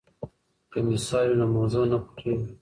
که مثال وي نو موضوع نه پټیږي.